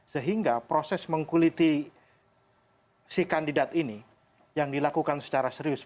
sehingga proses mengkuliti si kandidat ini yang dilakukan secara serius